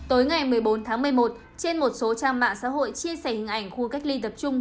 tối ngày một mươi bốn tháng một mươi một trên một số trang mạng xã hội chia sẻ hình ảnh khu cách ly tập trung